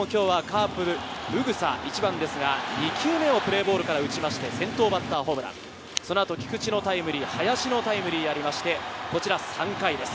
今日カープ、宇草１番ですが、２球目をプレーボールから打ちまして、先頭バッターホームラン、菊池のタイムリー、林のタイムリーがありまして、３回です。